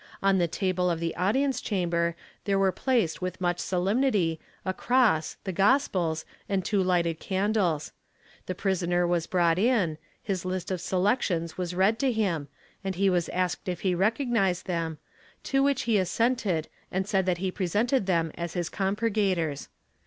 On the table of the audience chamber there were placed with much solemnity a cross, the gospels, and two hghted candles. The prisoner was brought in, his list of selections was read to him and he was asked if he recognized them, to which he assented and said that he presented them as his compurgators.